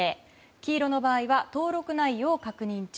黄色の場合は登録内容確認中。